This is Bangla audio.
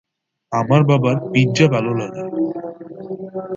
আমার বাবার পিজ্জা ভাল লাগে।